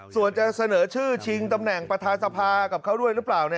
ส่วนจะเสนอชื่อชิงตำแหน่งประธานสภากับเขาด้วยหรือเปล่า